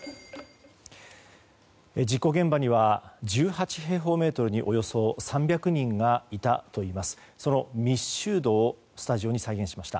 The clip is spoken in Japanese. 事故現場には１８平方メートルにおよそ３００人がいたといいます。